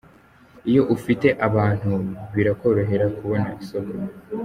Iyo ufite abantu birakorohera kubona isoko.